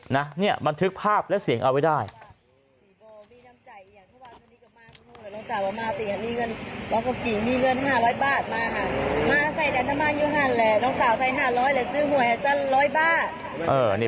นะเนี่ยบันทึกภาพและเสียงเอาไว้ได้